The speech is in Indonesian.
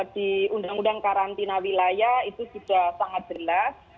di undang undang karantina wilayah itu sudah sangat jelas